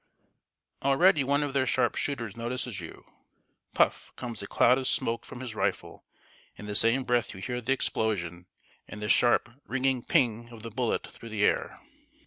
] Already one of their sharp shooters notices you. Puff, comes a cloud of smoke from his rifle; in the same breath you hear the explosion, and the sharp, ringing "ping" of the bullet through the air!